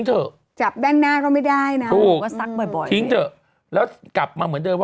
อย่าจับด้านหน้าก็ไม่ได้นะทิ้งเถอะแล้วกลับมาเหมือนเดินว่า